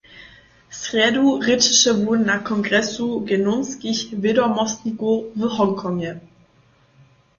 Srjedu rěčeše wón na kongresu genomskich wědomostnikow w Hongkongje.